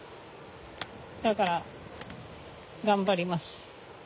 だから頑張ります。